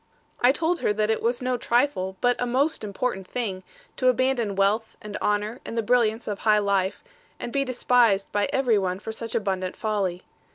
I told her that it was no trifle, but a most important thing, to abandon wealth, and honour, and the brilliance of high life, and be despised by every one for such abundant folly.